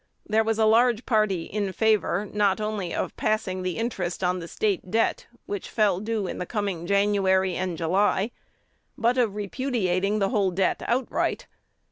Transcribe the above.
There was a large party in favor, not only of passing the interest on the State debt, which fell due in the coming January and July, but of repudiating the whole debt outright.